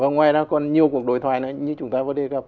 ngoài ra còn nhiều cuộc đối thoại như chúng ta vừa đề cập